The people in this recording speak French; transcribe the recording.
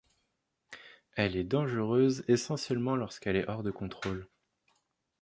Elle est dangereuse essentiellement lorsqu'elle est hors de contrôle.